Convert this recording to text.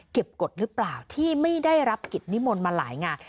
กฎหรือเปล่าที่ไม่ได้รับกิจนิมนต์มาหลายงาน